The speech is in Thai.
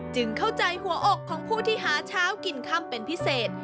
เข้าใจหัวอกของผู้ที่หาเช้ากินค่ำเป็นพิเศษ